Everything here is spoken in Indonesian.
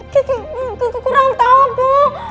kek kek kurang tau bu